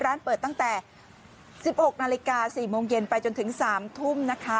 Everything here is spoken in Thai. ร้านเปิดตั้งแต่๑๖นาฬิกา๔โมงเย็นไปจนถึง๓ทุ่มนะคะ